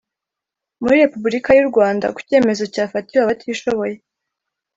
muri repubulika y u rwanda ku cyemezo cyafatiwe abatishoboye